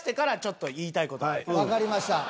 わかりました。